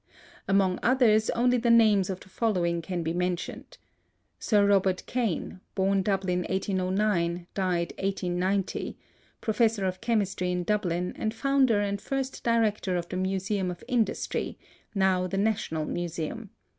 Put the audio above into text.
Among others only the names of the following can be mentioned: Sir Robert Kane (b. Dublin 1809, d. 1890), professor of chemistry in Dublin and founder and first director of the Museum of Industry, now the National Museum.